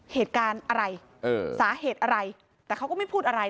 เหตุการณ์อะไรสาเหตุอะไรแต่เขาก็ไม่พูดอะไร